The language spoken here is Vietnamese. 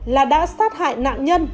là đã sát hại nạn nhân